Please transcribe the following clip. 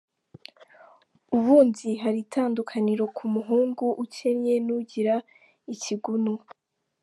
Ubundi hari itandukaniro ku muhungu ukennye n’ugira ikigunu.